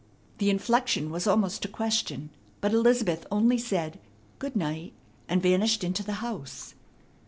The inflection was almost a question; but Elizabeth only said, "Good night," and vanished into the house.